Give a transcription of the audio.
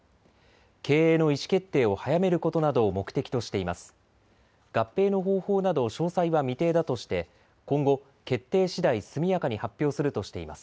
経営の意思決定を早めることなどを目的としています。